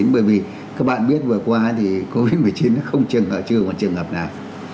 bởi vì các bạn biết vừa qua thì covid một mươi chín chưa còn trường hợp nào